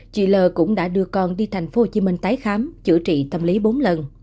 chị l cũng đã đưa con đi thành phố hồ chí minh tái khám chữa trị tâm lý bốn lần